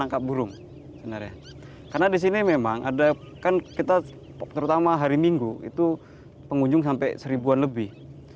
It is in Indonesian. karena di sini memang ada kan kita terutama hari minggu itu pengunjung sampai seribuan lebih